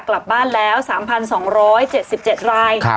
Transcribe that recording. กลับบ้านแล้ว๓๒๗๗ราย